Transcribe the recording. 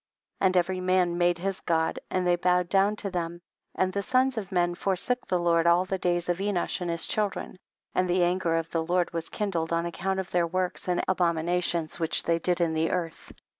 5. And every man made his God and they bowed down to them, and the sons of men forsook the Lord all the days of Enosh and his children ; and the anger of the Lord was kin dled on account of their works and abominations which they did in the earth.